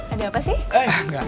ada apa sih